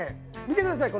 見てください。